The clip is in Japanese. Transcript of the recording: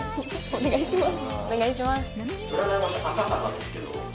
お願いします。